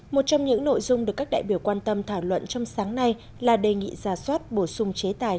một trong những nội dung được các đại biểu quan tâm thảo luận trong sáng nay là đề nghị ra soát bổ sung chế tài